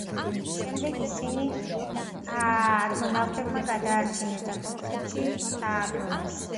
შემდეგ ისინი არგონავტებმა გადაარჩინეს და კოლხეთში დააბრუნეს.